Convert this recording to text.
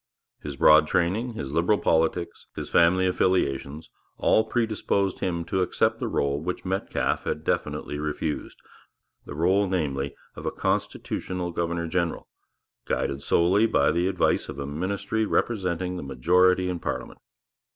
His broad training, his Liberal politics, his family affiliations all predisposed him to accept the rôle which Metcalfe had definitely refused, the rôle, namely, of a constitutional governor general, guided solely by the advice of a ministry representing the majority in parliament.